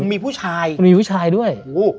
มีผู้ชายด้วย